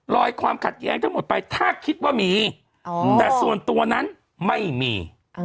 ความขัดแย้งทั้งหมดไปถ้าคิดว่ามีแต่ส่วนตัวนั้นไม่มี